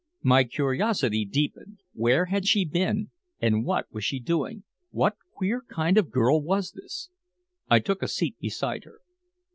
My curiosity deepened. Where had she been, and what was she doing, what queer kind of a girl was this? I took a seat beside her.